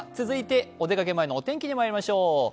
続いてお出かけ前の天気にまいりましょう。